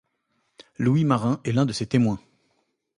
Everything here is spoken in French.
Louis Marin est l'un de ses témoins.